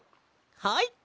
はい！